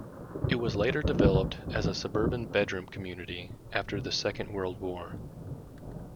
It was later developed as a suburban bedroom community after the Second World War.